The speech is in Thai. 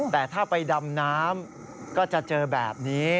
แต่ถ้าไปดำน้ำก็จะเจอแบบนี้